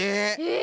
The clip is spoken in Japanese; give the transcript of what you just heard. え！